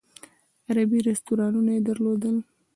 عربي رستورانونه یې درلودل.